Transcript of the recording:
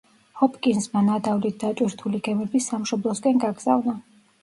ჰოპკინზმა ნადავლით დატვირთული გემები სამშობლოსკენ გაგზავნა.